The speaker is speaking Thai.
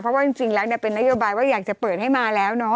เพราะว่าจริงแล้วเป็นนโยบายว่าอยากจะเปิดให้มาแล้วเนาะ